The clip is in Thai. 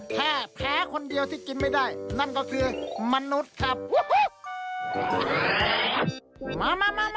ถ้าแพ้คนเดียวที่กินไม่ได้นั่นก็คือมนุษย์ครับ